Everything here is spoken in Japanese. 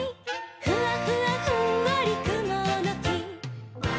「ふわふわふんわりくものき」